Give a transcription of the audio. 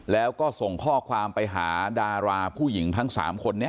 แล้วก็ส่งข้อความไปหาดาราผู้หญิงทั้ง๓คนนี้